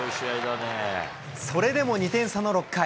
それでも２点差の６回。